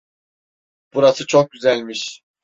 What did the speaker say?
Burası çok güzelmiş.